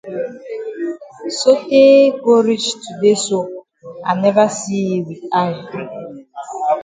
Sotay go reach today so I never see yi with eye.